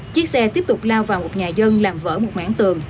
chiếc xe tiếp tục lao vào một nhà dân làm vỡ một ngã tường